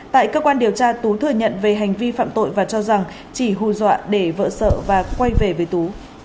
tại cơ quan điều tra tú thừa nhận về hành vi phạm tội và cho rằng chỉ hù dọa để vợ sợ và quay về với tú